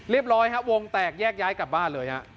ร้อยฮะวงแตกแยกย้ายกลับบ้านเลยฮะ